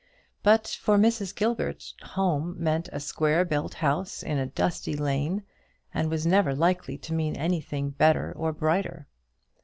But for Mrs. Gilbert "home" meant a square built house in a dusty lane, and was never likely to mean anything better or brighter.